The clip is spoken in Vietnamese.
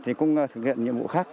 thì cũng thực hiện nhiệm vụ khác